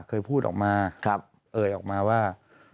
เคยพูดออกมาเอ่ยออกมาว่า